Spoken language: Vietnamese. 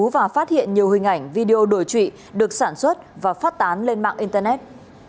và phát hiện nhiều hình ảnh video đổi trụy được sản xuất và phát tán lên mạng internet